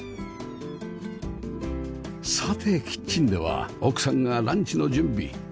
さてキッチンでは奥さんがランチの準備